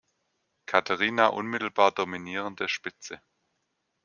Caterina unmittelbar dominierende Spitze.